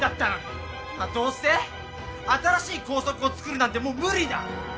まあどうせ新しい校則を作るなんてもう無理だ。